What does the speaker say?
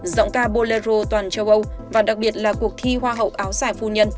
giọng ca bolero toàn châu âu và đặc biệt là cuộc thi hoa hậu áo dài phu nhân